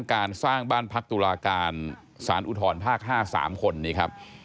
คัดค้านการสร้างบ้านพักตุลาการสารอุทธรณ์ภาค๕สามคนนี้ครับ